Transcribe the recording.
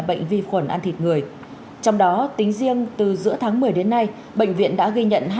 bệnh vi khuẩn ăn thịt người trong đó tính riêng từ giữa tháng một mươi đến nay bệnh viện đã ghi nhận hai mươi bốn